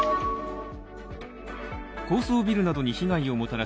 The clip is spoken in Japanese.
高層ビルなどに被害をもたらす